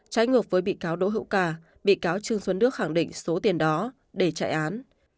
trái ngược với bị cáo đỗ hữu ca bị cáo trương xuân đức khẳng định số tiền đó để chạy án